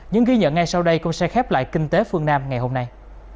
những ghi nhận ngay sau đây cũng sẽ khép lại kinh tế phương nam ngày hôm nay